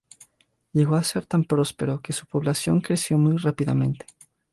Llegó a ser tan próspero que su población creció muy rápidamente.